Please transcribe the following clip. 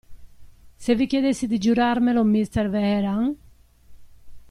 Se vi chiedessi di giurarmelo, mister Vehrehan?